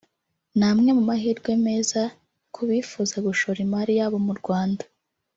ni amwe mu mahirwe meza ku bifuza gushora imari yabo mu Rwanda